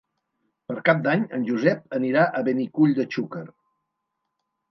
Per Cap d'Any en Josep anirà a Benicull de Xúquer.